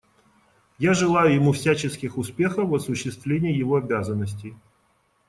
Я желаю ему всяческих успехов в осуществлении его обязанностей.